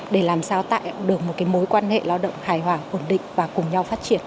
để làm sao tạo được một mối quan hệ lao động hài hòa ổn định và cùng nhau phát triển